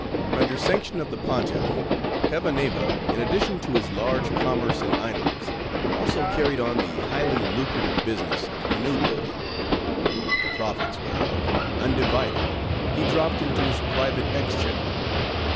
Under sanction of the Pontiff, Hevaneva, in addition to his large commerce in idols, also carried on the highly lucrative business of canoe building; the profits whereof, undivided, he dropped into his private exchequer.